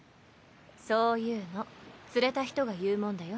そういうの釣れた人が言うもんだよ。